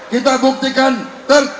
kita buktikan tertentu